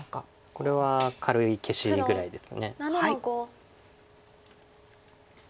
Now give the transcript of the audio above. これは軽い消しぐらいです。